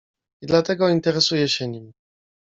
"I dlatego interesuję się nim."